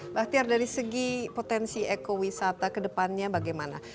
mbak tiar dari segi potensi ekowisata kedepannya bagaimana